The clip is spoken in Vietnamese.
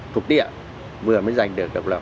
thuộc địa vừa mới giành được độc lập